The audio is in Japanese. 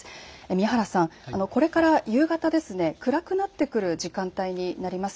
宮原さん、これから夕方暗くなってくる時間帯になります。